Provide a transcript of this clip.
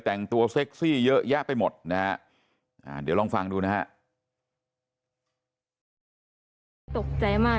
แต่งตัวเซ็กซี่เยอะแยะไปหมดนะฮะเดี๋ยวลองฟังดูนะฮะ